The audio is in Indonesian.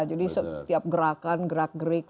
jadi setiap gerakan gerak greek